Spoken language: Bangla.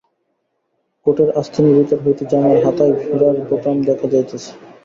কোটের আস্তিনের ভিতর হইতে জামার হাতায় হীরার বোতাম দেখা যাইতেছে।